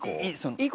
いい子？